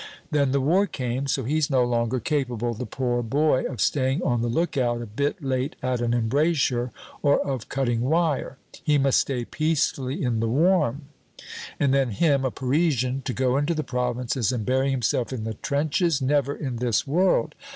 Then the war came. So he's no longer capable, the poor boy, of staying on the look out a bit late at an embrasure, or of cutting wire. He must stay peacefully in the warm. And then, him, a Parisian, to go into the provinces and bury himself in the trenches! Never in this world!